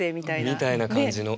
みたいな感じの。